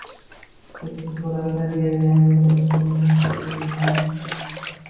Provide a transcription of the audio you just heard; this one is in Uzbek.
Shu suvratlar derazamda bir umr tursin deysiz